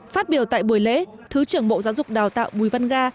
phát biểu tại buổi lễ thứ trưởng bộ giáo dục đào tạo bùi văn ga